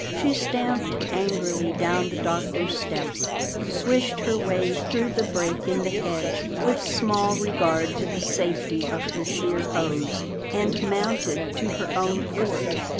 She stamped angrily down the Doctor's steps, swished her way through the break in the hedge with small regard to the safety of her sheer hose, and mounted to her own porch.